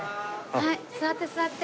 はい座って座って。